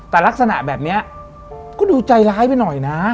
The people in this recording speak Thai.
แต่ลักษณะแบบนี้ก็ดูใจร้ายไปหน่อยนะ